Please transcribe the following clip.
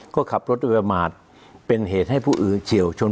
ก็ขับรถโดยประมาทเป็นเหตุให้ผู้อื่นเฉียวชน